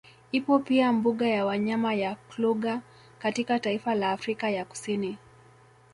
Ipo pia mbuga ya wanyama ya Kluger katika taifa la Afrika ya Kusini